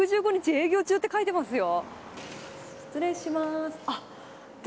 営業って書いてますよ。